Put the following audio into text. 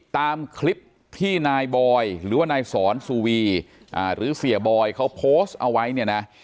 ตามคลิปที่นายบอยหรือว่านายสอนสุวีหรือเสียบอยเขาโพสต์เอาไว้เนี่ยนะ